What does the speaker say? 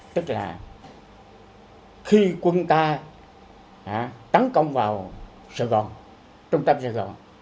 tức là khi quân ta tấn công vào sài gòn trung tâm sài gòn